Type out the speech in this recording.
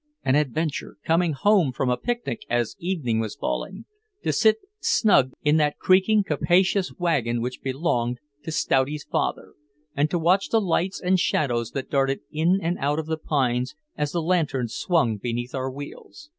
An adventure, coming home from a picnic as evening was falling, to sit snug in that creaking capacious wagon which belonged to Stouty's father, and to watch the lights and shadows that darted in and out of the pines as the lantern swung beneath our wheels.